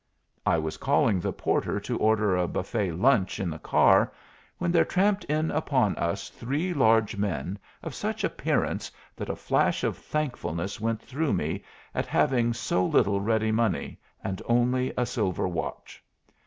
I was calling the porter to order a buffet lunch in the car when there tramped in upon us three large men of such appearance that a flash of thankfulness went through me at having so little ready money and only a silver watch.